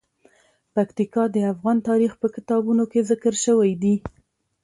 پکتیکا د افغان تاریخ په کتابونو کې ذکر شوی دي.